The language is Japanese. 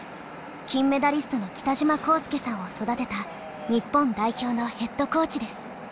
金メダリストの北島康介さんを育てた日本代表のヘッドコーチです。